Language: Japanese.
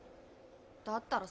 だったら